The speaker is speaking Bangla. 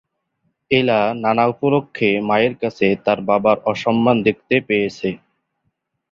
এলা নানা উপলক্ষ্যে মায়ের কাছে তার বাবার অসম্মান দেখতে পেয়েছে।